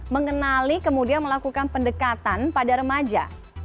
mengenali kemudian melakukan pendekatan pada remaja